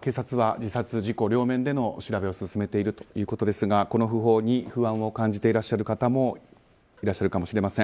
警察は自殺、事故両面での調べを進めているということですがこの訃報に不安を感じていらっしゃる方もいらっしゃるかもしれません。